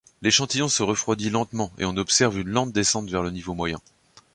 L'échantillon se refroidit lentement et on observe une lente descente vers le niveau moyen.